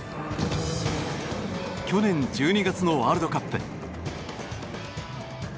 去年１２月のワールドカップ。